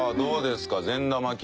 どうですかね？